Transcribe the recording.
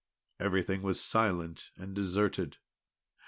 Everything was silent and deserted.